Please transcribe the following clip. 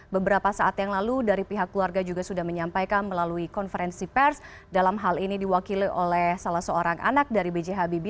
beberapa saat yang lalu dari pihak keluarga juga sudah menyampaikan melalui konferensi pers dalam hal ini diwakili oleh salah seorang anak dari b j habibie